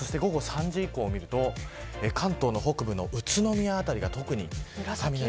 午後３時以降見ると関東の北部の宇都宮辺りが特に。